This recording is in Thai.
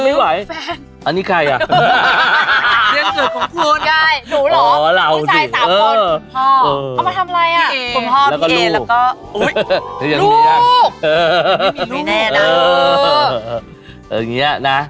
ไม่แน่เนอะ